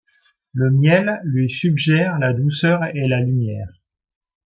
Le miel lui suggère la douceur et la lumière.